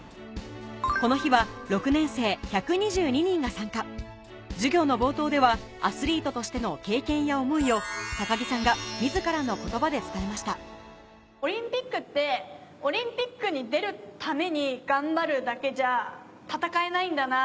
この日は授業の冒頭ではアスリートとしての経験や思いを木さんが自らの言葉で伝えましたオリンピックってオリンピックに出るために頑張るだけじゃ戦えないんだなって。